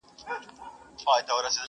که لومړۍ ورځ يې پر غلا واى زه ترټلى؛